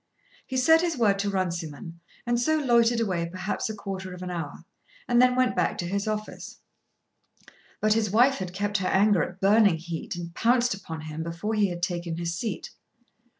He said his word to Runciman, and so loitered away perhaps a quarter of an hour, and then went back to his office. But his wife had kept her anger at burning heat and pounced upon him before he had taken his seat.